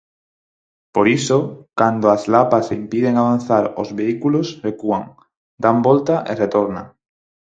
Por iso, cando as lapas impiden avanzar os vehículos recúan, dan volta e retornan.